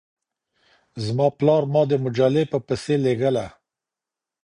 زما پلار ما د مجلې په پسې لېږله.